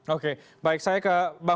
oke baik saya ke